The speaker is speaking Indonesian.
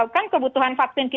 kan kebutuhan kepentingan